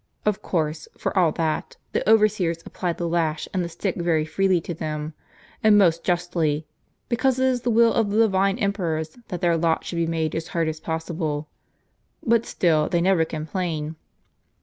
Of course, for all that, the overseers apply the lash and the stick very freely to them ; and most justly ; because it is the will of the divine emperors that their lot should be made as hard as possible ; but still they never complain."